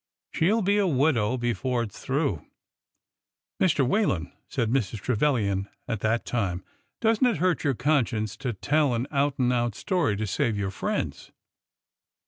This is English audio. She 'll be a widow before it 's through !" Mr. Whalen," said Mrs. Trevilian at that time, '' does n't it hurt your conscience to tell an out and out story to save your friends